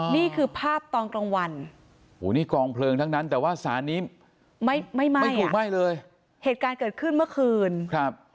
นี่คือภาพตอนกลางวันโอ้โหนี่กองเพลิงทั้งนั้นแต่ว่าสารนี้ไม่ไม่ไหม้ไม่ถูกไหม้เลยเหตุการณ์เกิดขึ้นเมื่อคืนครับ